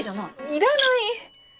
いらない！